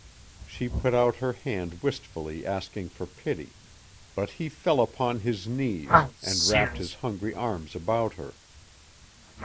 She put out her hand wistfully asking for pity, but he fell upon his knees and wrapped his hungry arms about her.